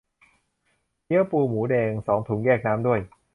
เกี๊ยวปูหมูแดง สองถุง แยกน้ำด้วย